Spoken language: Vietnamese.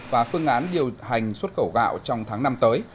và phương án điều hành xuất khẩu gạo trong tháng năm tới